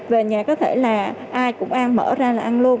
về nhà có thể là ai cũng an mở ra là ăn luôn